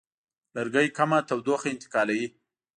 لرګي کم تودوخه انتقالوي.